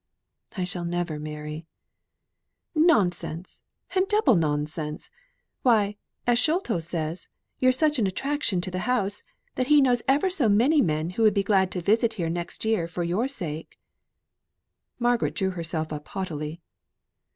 "I shall never marry." "Nonsense, and double nonsense! Why, as Sholto says, you're such an attraction to the house, that he knows ever so many men who will be glad to visit here next year for your sake." Margaret drew herself up haughtily.